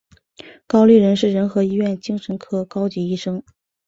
高立仁是仁和医院精神科高级医生。